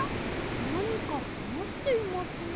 なにかはなしていますね。